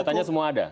datanya semua ada